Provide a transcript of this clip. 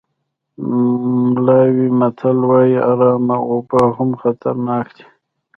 مالاوي متل وایي ارامه اوبه هم خطرناک دي.